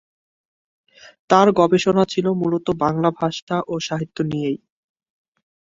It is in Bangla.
তাঁর গবেষণা ছিলো মূলত বাংলা ভাষা ও সাহিত্য নিয়েই।